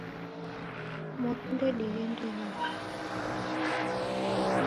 Mwakunde dighende hao?